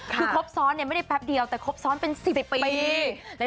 คือครบซ้อนไม่ได้แป๊บเดียวแต่ครบซ้อนเป็น๑๐ปี